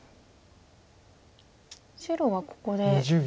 白はここで。